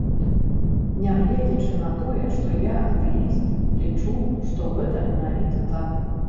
Нягледзячы на тое, што я атэіст, лічу, што гэта менавіта так.